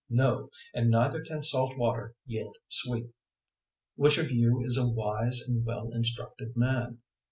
No; and neither can salt water yield sweet. 003:013 Which of you is a wise and well instructed man?